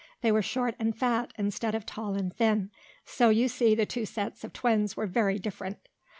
They were short and fat, instead of tall and thin. So you see the two sets of twins were very different.